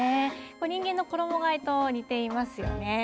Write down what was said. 人間の衣がえと似ていますよね。